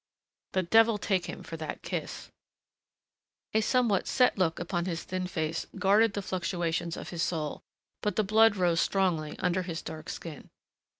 The devil take him for that kiss! A somewhat set look upon his thin face guarded the fluctuations of his soul, but the blood rose strongly under his dark skin.